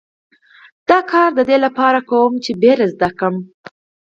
دا کار د دې لپاره کوم چې ډار زده کړم